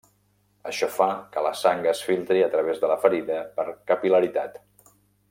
Això fa que la sang es filtri a través de la ferida per capil·laritat.